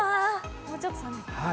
もうちょっと寒い。